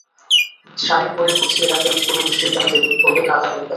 সারি করে গুছিয়ে রাখা ইটগুলো বৃষ্টির পানিতে গলে কাদা হয়ে গেছে।